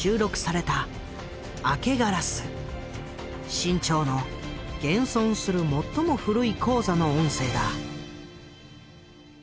志ん朝の現存する最も古い高座の音声だ。